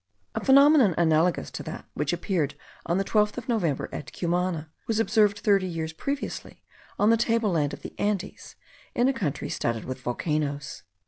A phenomenon analogous to that which appeared on the 12th of November at Cumana, was observed thirty years previously on the table land of the Andes, in a country studded with volcanoes.